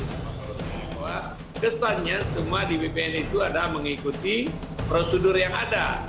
bahwa kesannya semua di bpn itu ada mengikuti prosedur yang ada